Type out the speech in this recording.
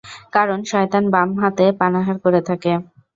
কারণ শয়তান বাম হাতে পানাহার করে থাকে।